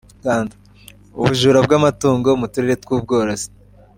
ubujura bw’amatungo mu turere tw’ubworozi